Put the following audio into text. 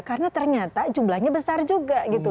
karena ternyata jumlahnya besar juga gitu